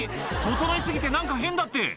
整い過ぎて何か変だって！」